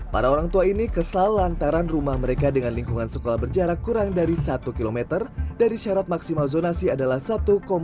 para orang tua ini kesal lantaran rumah mereka dengan lingkungan sekolah berjarak kurang dari satu km dari syarat maksimal zonasi adalah satu dua